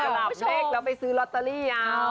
หลับเลขแล้วไปซื้อลอตเตอรี่